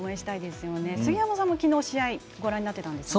杉山さんもきのう試合ご覧になってたんですよね。